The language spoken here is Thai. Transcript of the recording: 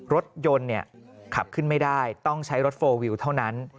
รถยนต์ขับขึ้นไม่ได้ต้องใช้รถโฟลวิวเท่านั้น